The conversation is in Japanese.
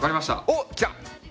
おっきた！